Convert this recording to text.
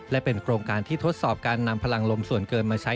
และเป็นโครงการที่ทดสอบการนำพลังลมส่วนเกินมาใช้